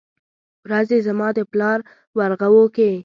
ورځې زما د پلار ورغوو کې ،